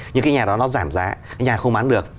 nhưng cái nhà đó nó giảm giá cái nhà không bán được